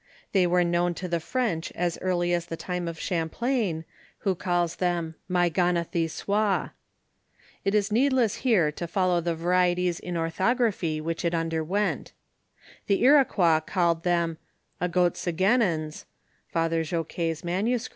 They were known to the French as early as the time of Champlain, who calls them "Mayganathicoise." It is needless here to follow the vorieties in orthog raphy which it underwent The Iroquois called them "Agotsagenens" (F. Joguetf MS.).